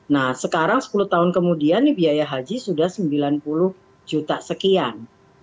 nah sekarang sepuluh tahun kemudian biaya haji sudah sembilan puluh juta sekian